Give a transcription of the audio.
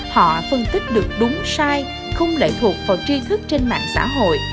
họ phân tích được đúng sai không lệ thuộc vào tri thức trên mạng xã hội